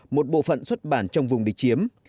một bộ phận xuất bản trong vùng địch chiếm